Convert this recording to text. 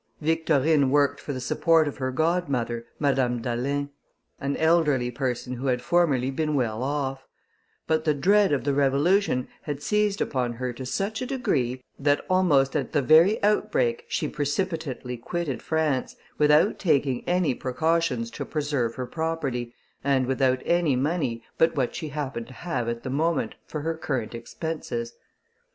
Victorine worked for the support of her godmother, Madame d'Alin, an elderly person who had formerly been well off; but the dread of the revolution had seized upon her to such a degree, that almost at the very outbreak she precipitately quitted France, without taking any precautions to preserve her property, and without any money but what she happened to have at the moment for her current expenses.